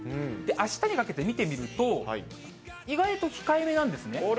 あしたにかけて見てみると、意外と控えめなんですね。